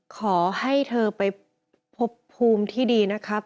ขอให้เธอไปพบภูมิที่ดีนะครับ